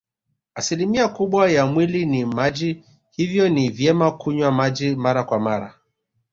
Asilimia kubwa ya mwili ni maji hivyo ni vyema kunywa maji mara kwa mara